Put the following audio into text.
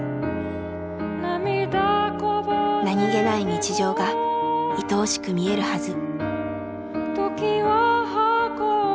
何気ない日常がいとおしく見えるはず。